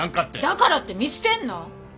だからって見捨てんの？